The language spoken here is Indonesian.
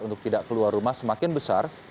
untuk tidak keluar rumah semakin besar